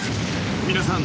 ［皆さん。